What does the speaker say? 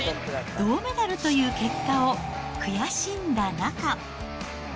銅メダルという結果を悔しんだ仲。